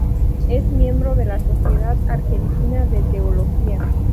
Es miembro de la Sociedad Argentina de Teología.